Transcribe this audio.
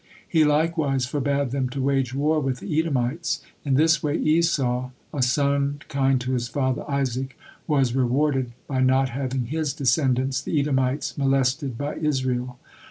He likewise forbade them to wage war with the Edomites; in this way Esau, a son kind to his father Isaac, was rewarded by not having his descendants, the Edomites, molested by Israel.